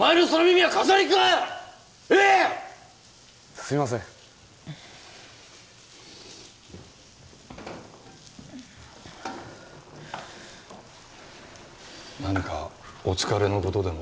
すいません何かお疲れのことでも？